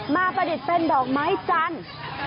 ประดิษฐ์เป็นดอกไม้จันทร์